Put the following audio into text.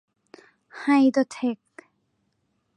ไฮโดรเท็ค